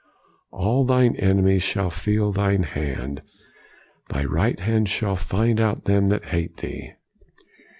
All thine enemies shall feel thine hand: thy right hand shall find out them that hate thee."